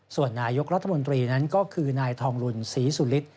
ส่วนนายกรัฐมนตรีนั้นก็คือนายทองลุนศรีสุฤทธิ